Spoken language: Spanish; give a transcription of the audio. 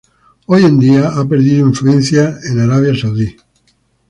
Hoy en día ha perdido influencia en Arabia Saudí.